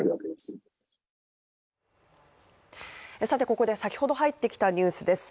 ここで先ほど入ってきたニュースです。